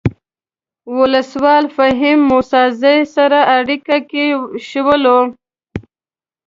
ولسوال فهیم موسی زی سره اړیکه کې شولو.